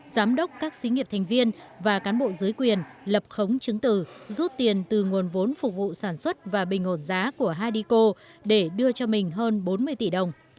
giám đốc các sĩ nghiệp thành viên và cán bộ dưới quyền lập khống chứng từ rút tiền từ nguồn vốn phục vụ sản xuất và bình ổn giá của hadico để đưa cho mình hơn bốn mươi tỷ đồng